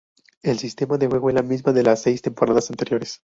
El sistema de juego es la misma de las seis temporadas anteriores.